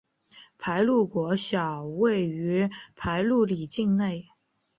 排路国小位于排路里境内。